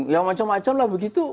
ya macam macam lah begitu